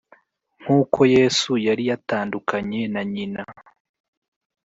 Nk’uko Yesu yari yatandukanye na nyina